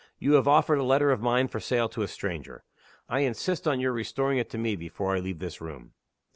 You have offered a letter of mine for sale to a stranger. I insist on your restoring it to me before I leave this room!"